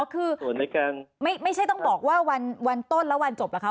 คือไม่ใช่ต้องบอกว่าวันต้นแล้ววันจบเหรอคะ